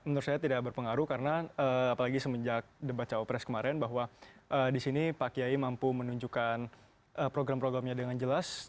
menurut saya tidak berpengaruh karena apalagi semenjak debat cawapres kemarin bahwa di sini pak kiai mampu menunjukkan program programnya dengan jelas